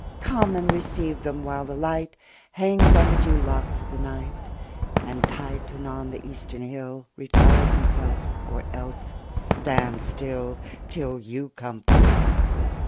Come, and receive them while the light Hangs on the dew locks of the night: And Titan on the eastern hill 25 Retires himself, or else stands still Till you come forth!